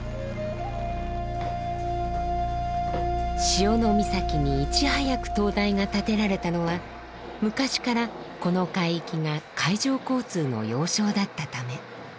潮岬にいち早く灯台が建てられたのは昔からこの海域が海上交通の要衝だったため。